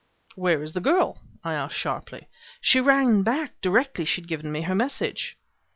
"Where is the girl?" I asked, sharply. "She ran back directly she had given me her message."